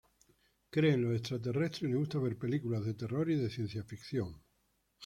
Cree en los extraterrestres, y le gusta ver películas de terror y ciencia ficción.